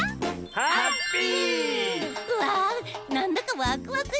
ハッピー！